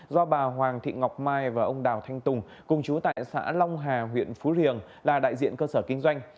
do bà hoàng thị ngọc mai và ông đào thanh tùng cùng chú tại xã long hà huyện phú riềng là đại diện cơ sở kinh doanh